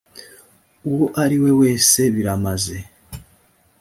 uwo ari we wese biramaze.